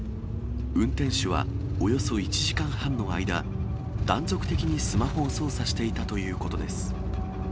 運転手はおよそ１時間半の間、断続的にスマホを操作していたということです。